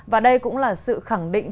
và đây cũng là sự khẳng định